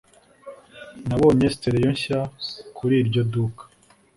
Nabonye stereo nshya kuri iryo duka